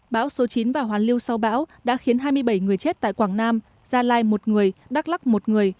bão số chín và hoàn lưu sau bão đã khiến hai mươi bảy người chết tại quảng nam gia lai một người đắk lắc một người